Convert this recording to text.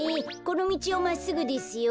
このみちをまっすぐですよ。